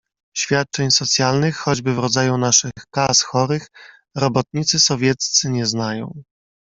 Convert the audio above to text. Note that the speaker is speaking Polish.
"Świadczeń socjalnych, choćby w rodzaju naszych Kas Chorych, robotnicy sowieccy nie znają."